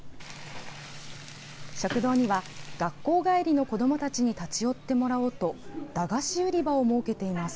食堂には学校帰りの子どもたちに立ち寄ってもらおうと駄菓子売り場を設けています。